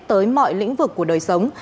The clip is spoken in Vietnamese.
tới mọi lĩnh vực của đời sống